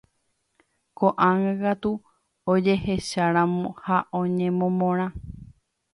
Ko'ág̃a katu ojehecharamo ha oñemomorã.